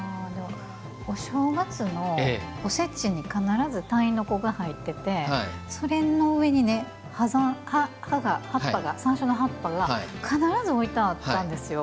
お正月のおせちに必ず鯛の子が入っててそれの上に、山椒の葉っぱが必ず置いてあったんですよ。